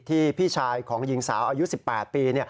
พี่ชายของหญิงสาวอายุ๑๘ปี